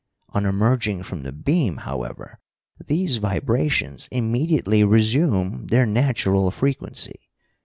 On emerging from the beam, however, these vibrations immediately resume their natural frequency.